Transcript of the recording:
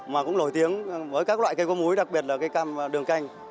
mà cũng lổi tiếng với các loại cây có muối đặc biệt là cây cam đường canh